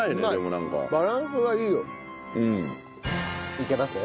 いけます？